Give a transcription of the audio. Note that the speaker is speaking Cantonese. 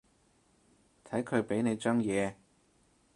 睇佢畀你張嘢